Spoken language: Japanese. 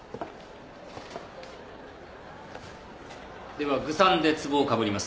ではグサンでツボをかぶります。